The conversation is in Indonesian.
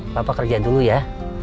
papa kerja dulu ya